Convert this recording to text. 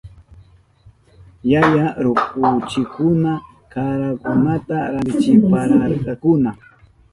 Yaya rukunchikuna karakunata rantichipayarkakuna.